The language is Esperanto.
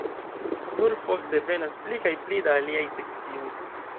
Nur poste venas pli kaj pli da aliaj sekcioj.